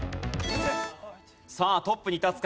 さあトップに立つか？